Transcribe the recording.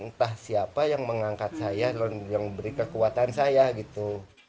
entah siapa yang mengangkat saya yang beri kekuatan saya gitu